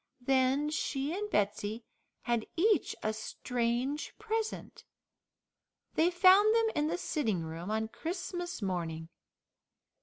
Then she and Betsey had each a strange present. They found them in the sitting room on Christmas morning.